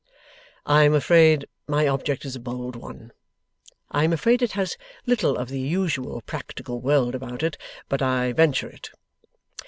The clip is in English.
') 'I am afraid my object is a bold one, I am afraid it has little of the usual practical world about it, but I venture it.